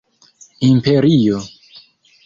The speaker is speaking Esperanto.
imperio